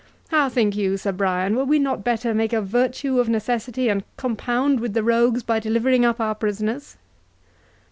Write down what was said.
How think you, Sir Brian, were we not better make a virtue of necessity, and compound with the rogues by delivering up our prisoners?"